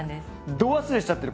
度忘れしちゃってる。